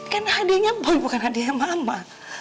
kan hadiahnya boy bukan hadiahnya mama